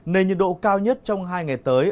nên nhiệt độ cao nhất trong hai ngày tới